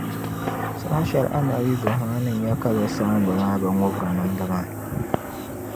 Saha shεli Annabi Ibrahima ni nya ka bɛ saamba maa bi ŋubri nimdi maa.